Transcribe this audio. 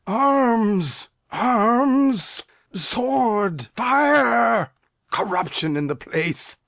Arms, arms! sword! fire! Corruption in the place!